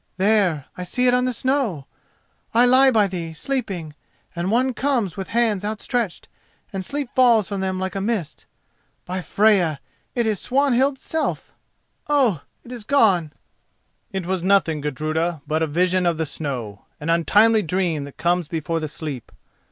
There, I see it on the snow! I lie by thee, sleeping, and one comes with hands outstretched and sleep falls from them like a mist—by Freya, it is Swanhild's self! Oh! it is gone." [*] The Northern Fates. "It was nothing, Gudruda, but a vision of the snow—an untimely dream that comes before the sleep.